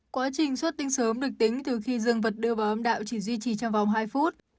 quá trình xuất tinh sớm được tính từ khi dương vật đưa vào âm đạo chỉ duy trì trong vòng hai phút